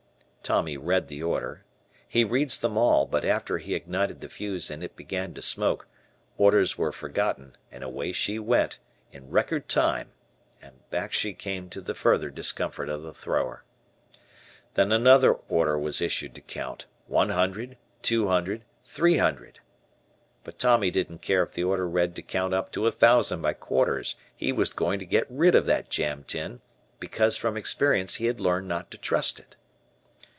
Tommy read the order he reads them all, but after he ignited the fuse and it began to smoke, orders were forgotten, and away she went in record time and back she came to the further discomfort of the thrower. Then another order was issued to count, "one hundred! two hundred! three hundred!" but Tommy didn't care if the order read to count up to a thousand by quarters he was going to get rid of that "jam tin," because from experience he had learned not to trust it.